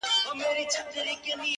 خدای راکړي نعمتونه پرېمانۍ وې -